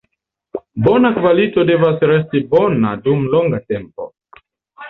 Bona kvalito devas resti bona dum longa tempo.